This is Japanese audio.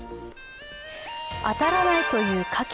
あたらないというかき。